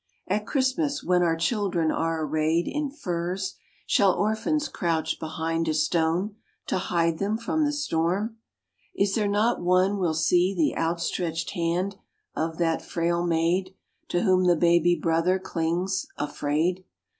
At Christmas, when our children are arrayed In furs, shall orphans crouch behind a stone To hide them from the storm? Is there not one Will see the outstretched hand of that frail maid, To whom the baby brother clings, afraid?